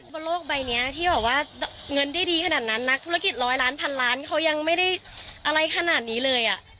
บนโลกใบนี้ที่แบบว่าเงินได้ดีขนาดนั้นนักธุรกิจร้อยล้านพันล้านเขายังไม่ได้อะไรขนาดนี้เลยอ่ะ